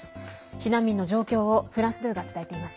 避難民の状況をフランス２が伝えています。